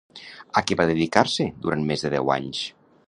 A què va dedicar-se durant més de deu anys?